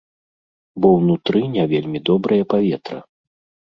Бо ўнутры не вельмі добрае паветра.